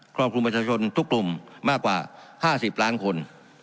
รอบคลุมประชาชนทุกกลุ่มมากกว่า๕๐ล้านคน